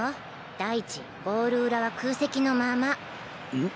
第一ゴール裏は空席のまま。